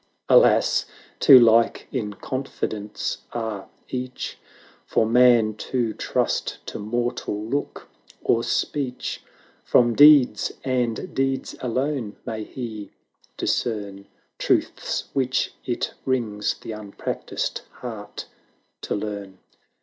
Alas ! too like in confidence are each, For man to trust to mortal look or speech; From deeds, and deeds alone, may he discern Truths which it wrings the unpractised heart to learn.